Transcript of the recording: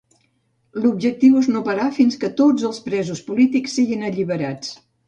L'objectiu és no parar fins que tots els presos polítics siguin alliberats.